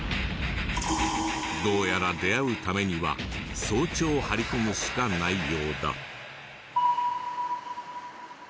どうやら出会うためには早朝張り込むしかないようだ。